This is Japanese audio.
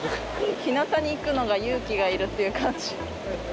ひなたに行くのが勇気がいるっていう感じ。